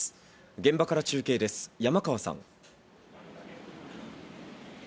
現場から中継です、山川さん。